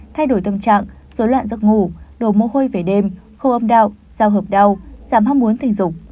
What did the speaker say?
thay đổi tâm trạng dối loạn giấc ngủ đổ mô hôi về đêm khô âm đạo giao hợp đau giảm hóc muốn thành dục